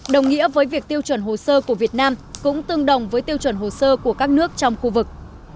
đồng nghĩa với việc tiêu chuẩn hồ sơ của việt nam cũng tương đồng với tiêu chuẩn hồ sơ của các nước trong khu vực